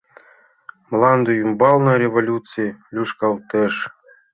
Мланде ӱмбалне революций лӱшкалтеш.